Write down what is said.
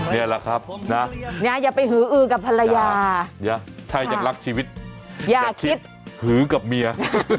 เนี่ยล่ะครับนะอย่าไปหื้อกับภรรยาใช่ถ้าอยากรักชีวิตอย่าคิดหื้อกับเมีย